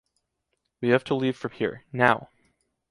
We have to leave from here, now.